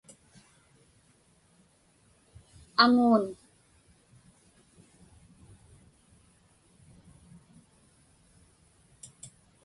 aŋuun